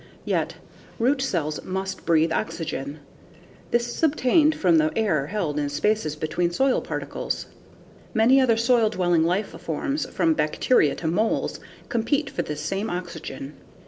Yet root cells must breathe oxygen. This is obtained from the air held in spaces between soil particles. Many other soil dwelling life forms from bacteria to moles compete for this same oxygen.